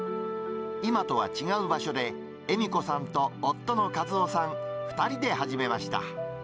今とは違う場所で江美子さんと夫の一夫さん２人で始めました。